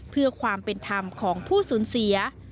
เพื่อความเป็นธรรมของผู้สูญเสีย